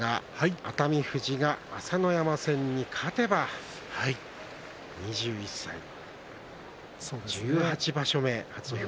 熱海富士が朝乃山戦に勝てば２１歳１８場所目。